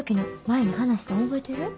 前に話したん覚えてる？